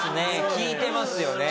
聞いてますよね